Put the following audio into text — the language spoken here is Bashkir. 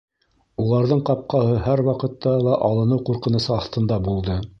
Уларҙың ҡапҡаһы һәр ваҡытта ла алыныу ҡурҡынысы аҫтында булды